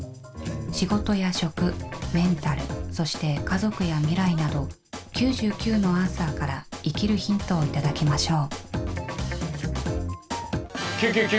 仕事や食メンタルそして家族や未来など９９のアンサーから生きるヒントをいただきましょう。